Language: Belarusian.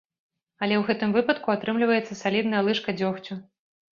Але ў гэтым выпадку атрымліваецца салідная лыжка дзёгцю.